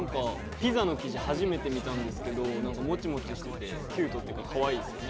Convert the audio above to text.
ピザの生地を初めて見たんですけど、もちもちしてて、キュートというか、かわいいですよね。